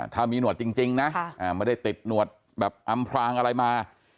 ถ้ามีหนวดจริงนะไม่ได้ติดหนวดแบบอำพรางอะไรมา